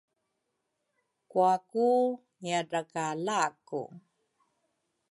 kuaku ngiadrakalaku.